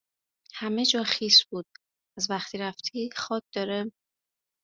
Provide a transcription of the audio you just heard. همه جا خیس بود. از وقتی رفتی خاک داره